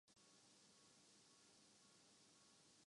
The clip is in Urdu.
افراد کے ساتھ اچھا رویہ زندگی میں مددگار ثابت ہوتا ہے